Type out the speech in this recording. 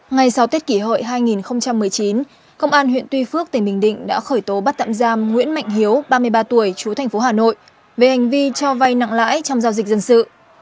ngày sau tết kỷ hội hai nghìn một mươi chín công an huyện tuy phước tỉnh bình định đã khởi tố bắt tạm giam nguyễn mạnh hiếu ba mươi ba tuổi chú thành phố hà nội về hành vi cho vay nặng lãi trong giao dịch dân sự